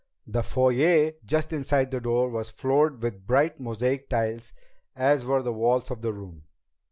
The foyer just inside the door was floored with bright mosaic tile as were the walls of the room.